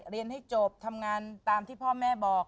เรียนให้จบทำงานตามที่พ่อแม่บอก